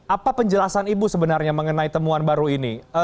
apa penjelasan ibu sebenarnya mengenai temuan baru ini